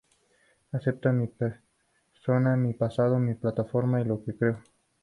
Aceptan mi persona, mi pasado, mi plataforma y lo que creo.